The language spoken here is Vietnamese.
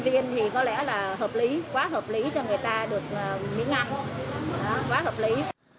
đó quá hợp lý